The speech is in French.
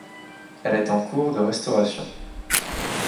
Elle est en cours de restauration.